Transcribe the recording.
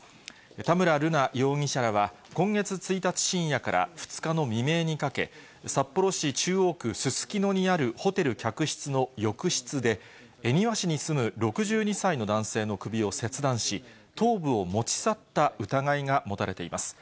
田村瑠奈容疑者らは、今月１日深夜から２日の未明にかけ、札幌市中央区すすきのにあるホテル客室の浴室で、恵庭市に住む６２歳の男性の首を切断し、頭部を持ち去った疑いが持たれています。